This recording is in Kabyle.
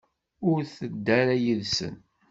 Ur tedda ara yid-sen.